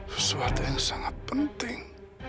sesuatu yang sangat penting